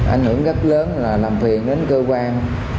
ảnh hưởng rất lớn là làm thuyền đến cơ quan